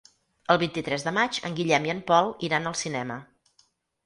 El vint-i-tres de maig en Guillem i en Pol iran al cinema.